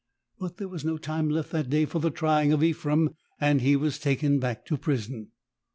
But there was no time left that day for the trying of Ephrem and he was taken back to prison.